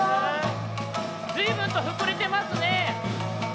ずいぶんとふくれてますね。